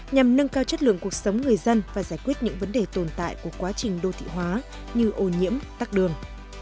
nhằm nâng cao chất lượng cuộc sống người dân và giải quyết những vấn đề tồn tại của quá trình đô thị hóa như ô nhiễm tắc đường